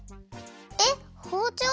えっほうちょう？